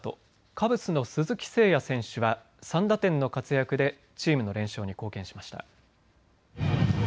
カブスの鈴木誠也選手は３打点の活躍でチームの連勝に貢献しました。